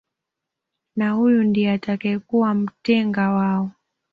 Na huyu ndiye atakayekuwa mtenga wao